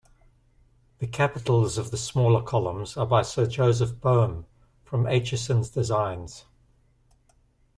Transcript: The capitals of the smaller columns are by Sir Joseph Boehm, from Aitchison's designs.